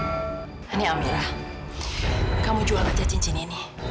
ini amira kamu jual aja cincin ini